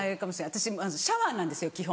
私まずシャワーなんですよ基本。